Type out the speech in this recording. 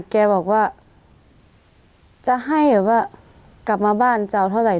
แกบอกว่าจะให้แบบว่ากลับมาบ้านจะเอาเท่าไหร่